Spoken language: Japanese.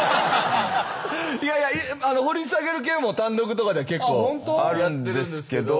掘り下げる系も単独とかでは結構やってるんですけど。